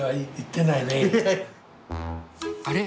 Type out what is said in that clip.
あれ？